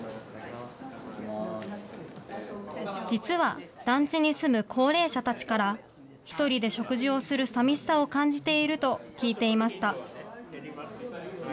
実は、団地に住む高齢者たちから、１人で食事をするさみしさを感じていると聞いていました。